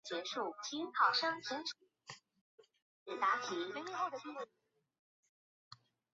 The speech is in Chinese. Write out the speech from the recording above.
拉姆绍是奥地利下奥地利州利林费尔德县的一个市镇。